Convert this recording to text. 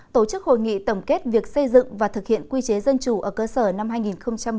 tổ chức hội nghị tổng kết việc xây dựng và thực hiện quy chế dân chủ ở cơ sở năm hai nghìn một mươi chín